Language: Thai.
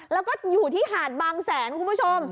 แล้วก็อยู่ที่หาดบางแสนคุณผู้ชม